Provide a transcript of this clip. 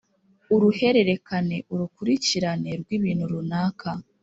uruhererekane : urukurikirane rw’ibintu runaka.